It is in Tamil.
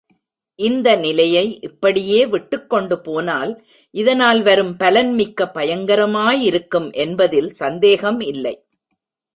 இந்த நிலையை இப்படியே விட்டுக்கொண்டு போனால், இதனால் வரும் பலன் மிக்க பயங்கரமாயிருக்கும் என்பதில் சந்தேகம் இல்லை.